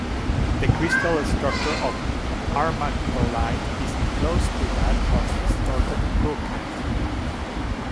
The crystal structure of armalcolite is close to that of distorted brookite.